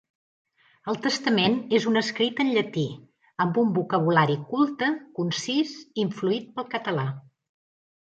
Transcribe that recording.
El testament és escrit en llatí, amb un vocabulari culte, concís, influït pel català.